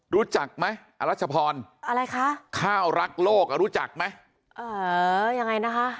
รู้จักไหมอรัชพรอะไรคะข้าวรักโลกอ่ะรู้จักไหมเออยังไงนะคะ